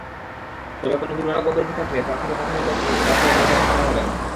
তবে কোনো দুরারোগ্য ব্যাধি থাকলে প্রার্থীকে প্রাথমিক বাছাইয়ে নির্বাচন করা হবে না।